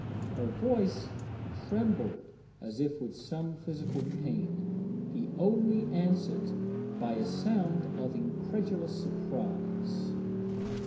Her voice trembled as if with some physical pain; he only answered by a sound of incredulous surprise.